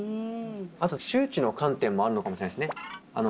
あと周知の観点もあるのかもしれないですね。